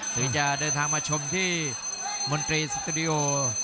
ถึงจะเดินทางมาชมที่มนตรีสตูดิโอ